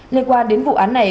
lên quan đến vụ án này